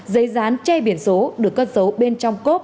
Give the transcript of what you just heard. dây dán che biển số được cất dấu bên trong cốp